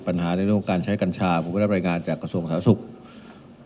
ปัญหาในเรื่องการใช้กัญชาผมก็ได้บรรยายงานจากกระทรวงสาธุศักดิ์สุข